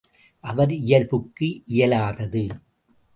அவர் இயல்புக்கு இயலாதது.